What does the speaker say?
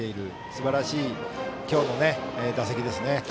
すばらしい今日の打席ですね。